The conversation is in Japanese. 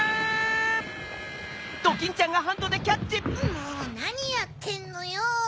もうなにやってんのよ！